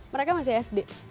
mereka masih sd